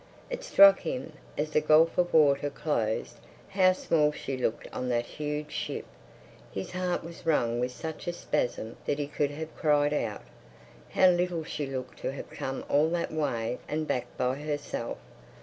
It struck him, as the gulf of water closed, how small she looked on that huge ship. His heart was wrung with such a spasm that he could have cried out. How little she looked to have come all that long way and back by herself!